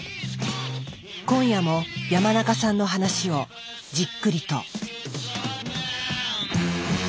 今夜も山中さんの話をじっくりと。